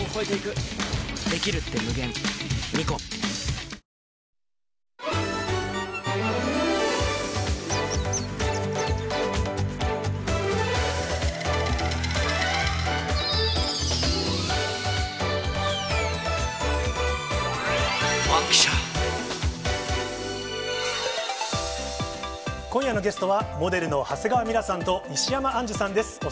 決戦の舞台、今夜のゲストは、モデルの長谷川ミラさんと石山アンジュさんです。